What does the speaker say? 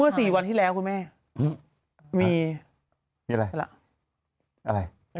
เมื่อ๔วันที่แล้วคุณแม่มีมีอะไรอะไร